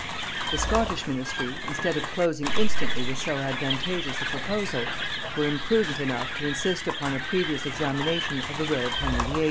The Scottish ministry, instead of closing instantly with so advantageous a proposal, were imprudent enough to insist upon a previous examination of the will of Henry VIII.